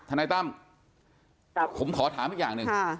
นายตั้มผมขอถามอีกอย่างหนึ่ง